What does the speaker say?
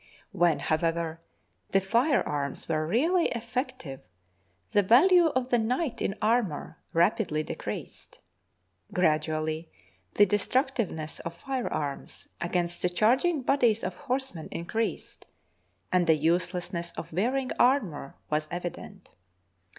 When, however, the firearms were really effective, the value of the knight in armour rapidly decreased. Gradually the destructiveness of firearms against the charging bodies of horsemen increased, and the uselessness of wearing armour was evident.